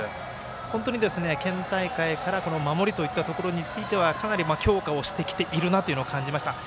本当に県大会から守りについてはかなり強化をしてきているなというのを感じました。